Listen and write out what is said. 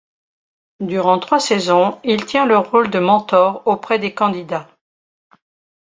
Durant trois saisons, il tient le rôle de mentor auprès des candidats.